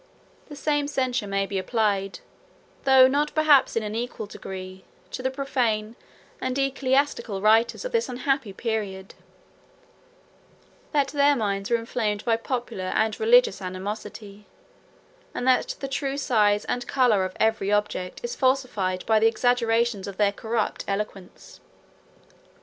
The same censure may be applied, though not perhaps in an equal degree, to the profane, and the ecclesiastical, writers of this unhappy period; that their minds were inflamed by popular and religious animosity; and that the true size and color of every object is falsified by the exaggerations of their corrupt eloquence.